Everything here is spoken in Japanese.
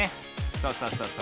そうそうそうそう。